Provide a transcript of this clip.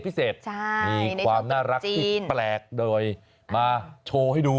มีความน่ารักที่แปลกโดยมาโชว์ให้ดู